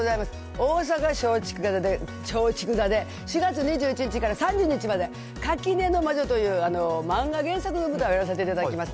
大阪松竹座で、４月２１日から３０日まで、垣根の魔女という漫画原作の舞台をやらせていただきます。